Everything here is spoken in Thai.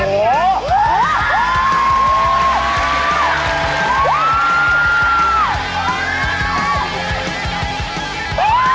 ว้ายว้ายว้าย